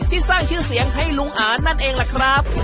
ที่สร้างชื่อเสียงให้ลุงอานั่นเองล่ะครับ